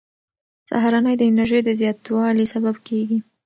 سهارنۍ د انرژۍ د زیاتوالي سبب کېږي.